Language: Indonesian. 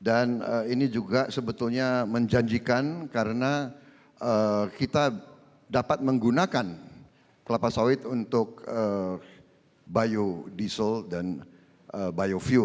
dan ini juga sebetulnya menjanjikan karena kita dapat menggunakan kelapa sawit untuk biodiesel dan biofuel